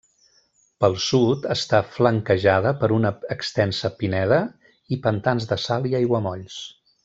Pel sud, està flanquejada per una extensa pineda i pantans de sal i aiguamolls.